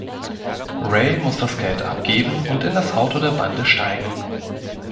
Ray muss das Geld abgeben und in das Auto der Bande steigen.